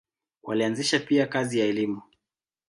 Walianzisha pia kazi ya elimu.